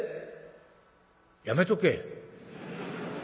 やめとけ。